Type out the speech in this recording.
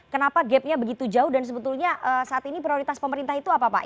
kenapa gapnya begitu jauh dan sebetulnya saat ini prioritas pemerintah itu apa pak